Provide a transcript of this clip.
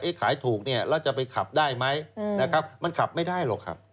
ขายถูกเนี่ยแล้วจะไปขับได้ไหมนะครับมันขับไม่ได้หรอกครับ